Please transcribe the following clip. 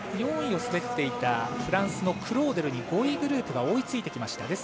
４位を滑っていたフランスのクローデルに５位グループが追いついてきました。